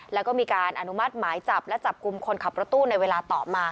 แล้วก็มีการอนุมัติหมายจับและจับกลุ่มคนขับรถตู้ในเวลาต่อมา